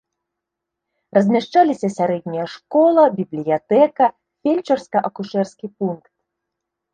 Размяшчаліся сярэдняя школа, бібліятэка, фельчарска-акушэрскі пункт.